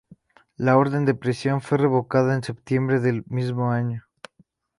La orden de prisión fue revocada en septiembre del mismo año.